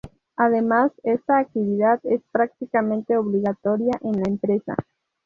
Además, esta actividad es prácticamente obligatoria en la empresa.